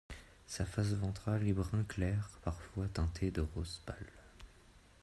Sa face ventrale est brun clair parfois teintée de rose pâle.